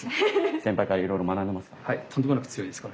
先輩からいろいろ学んでますか？